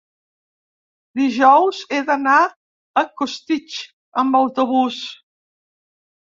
Dijous he d'anar a Costitx amb autobús.